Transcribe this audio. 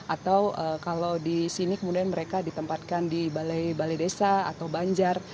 atau kalau di sini kemudian mereka ditempatkan di balai balai desa atau banjar